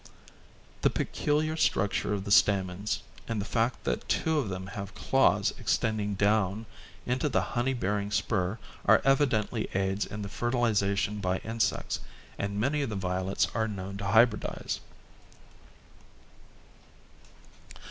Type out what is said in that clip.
The peculiar structure of the stamens and the fact that two of them have claws extending down into the honey bearing spur are evidently aids in the fertilization by insects, and many of the violets are known to hybridize.